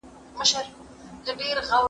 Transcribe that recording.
له دې معصومي سره داسي